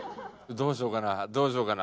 どうしようかな？